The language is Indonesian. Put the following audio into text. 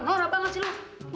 norak banget sih lu